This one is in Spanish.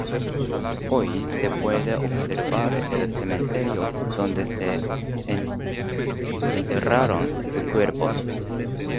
Hoy se puede observar el cementerio donde se enterraron sus cuerpos.